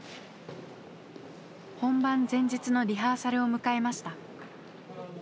本番前日のリハーサルを迎えました。